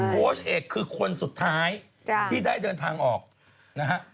โค้ชเอกคือคนสุดท้ายที่ได้เดินทางออกนะฮะ